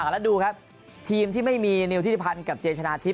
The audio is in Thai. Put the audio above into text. แล้วดูครับทีมที่ไม่มีนิวทิริพันธ์กับเจชนะทิพ